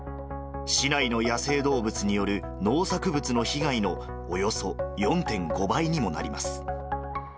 市内の野生動物による農作物の被害のおよそ４．５倍にもなります。